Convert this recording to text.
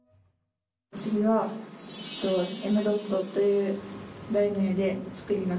次は「Ｍドット」という題名で作りました。